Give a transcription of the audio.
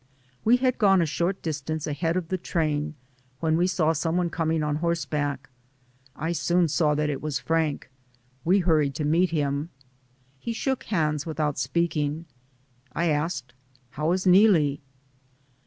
We had gone a short distance ahead of the train when we saw someone coming horseback. I soon saw that it was Frank. We hurried on to meet him. He shook hands without speaking. I asked, "How is Neelie?"